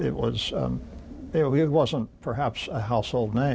และยิ่งได้รับความสนใจ